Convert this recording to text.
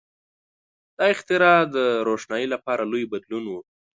• دا اختراع د روښنایۍ لپاره لوی بدلون و.